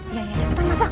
iya iya cepetan masak